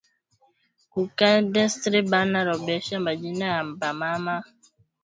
Ku cadastre bana lombesha ma jina ya ba mama njuya ku ba kachiya ma pango